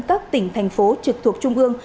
các tỉnh thành phố trực thuộc trung ương